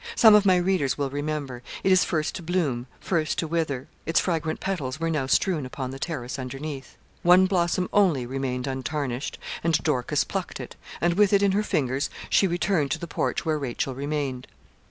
Some of my readers will remember. It is first to bloom first to wither. Its fragrant petals were now strewn upon the terrace underneath. One blossom only remained untarnished, and Dorcas plucked it, and with it in her fingers, she returned to the porch where Rachel remained.